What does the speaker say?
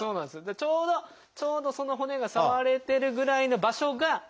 ちょうどその骨が触れてるぐらいの場所が。